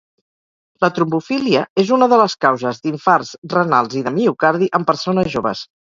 La trombofília és una de les causes d'infarts renals i de miocardi en persones joves.